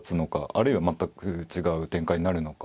あるいは全く違う展開になるのか。